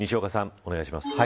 お願いします。